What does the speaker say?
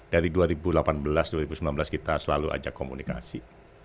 dari dua ribu delapan belas dua ribu sembilan belas kita selalu ajak komunikasi